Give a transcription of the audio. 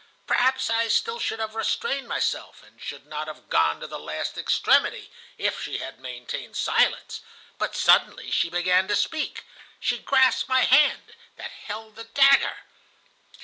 Perhaps I still should have restrained myself, and should not have gone to the last extremity, if she had maintained silence. But suddenly she began to speak; she grasped my hand that held the dagger.